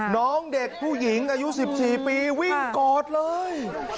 น้องเด็กผู้หญิงอายุ๑๔ปีวิ่งกอดเลย